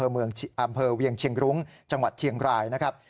อำเภอเวียงเชียงรุ้งจังหวัดเชียงรายนะครับ